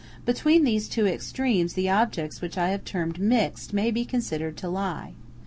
Between these two extremes the objects which I have termed mixed may be considered to lie.